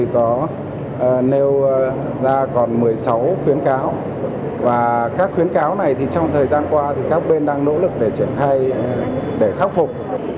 có nêu ra còn một mươi sáu khuyến cáo và các khuyến cáo này thì trong thời gian qua thì các bên đang nỗ lực để triển khai để khắc phục